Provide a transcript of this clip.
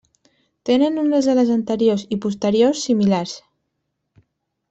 Tenen unes ales anteriors i posteriors similars.